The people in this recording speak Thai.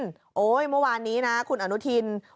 เห้ยมาหวันนี้คุณอนวันนี้นะ